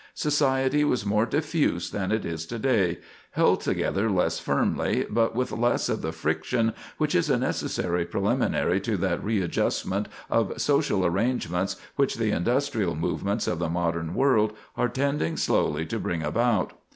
Society was more diffuse than it is to day—held together less firmly, but with less of the friction which is a necessary preliminary to that readjustment of social arrangements which the industrial movements of the modern world are tending slowly to bring about.